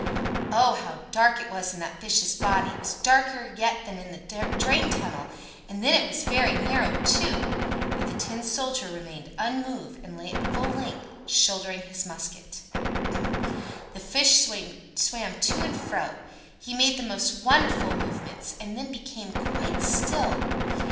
Oh, how dark it was in that fish's body! It was darker yet than in the drain tunnel; and then it was very narrow, too. But the Tin Soldier remained unmoved, and lay at full length, shouldering his musket. The fish swam to and fro; he made the most wonderful movements, and then became quite still.